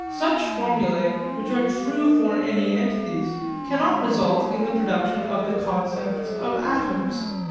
Such formulae which are true for any entities cannot result in the production of the concepts of atoms.